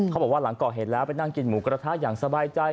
เขาบอกว่าหลังก่อเหตุแล้วไปนั่งกินหมูกระทะอย่างสบายใจ